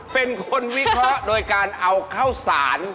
เป็นคนวิเคราะห์โดยการเอาข้าวสาร